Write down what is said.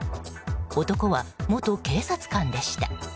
男は元警察官でした。